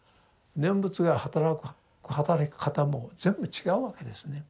念仏がはたらくはたらき方も全部違うわけですね。